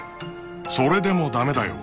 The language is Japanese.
それでも駄目だよ！